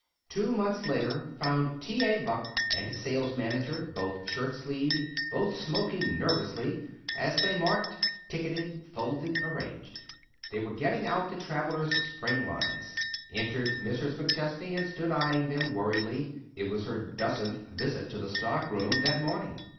Two months later found T. A. Buck and his sales manager, both shirt sleeved, both smoking nervously, as they marked, ticketed, folded, arranged. They were getting out the travelers' spring lines. Entered Mrs. McChesney, and stood eying them, worriedly. It was her dozenth visit to the stock room that morning.